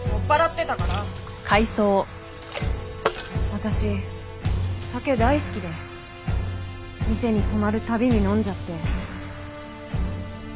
私お酒大好きで店に泊まる度に飲んじゃって。